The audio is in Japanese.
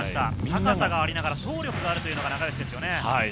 高さがありながら走力があるのが永吉ですね。